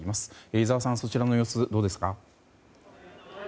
井澤さん、そちらの様子どうですか？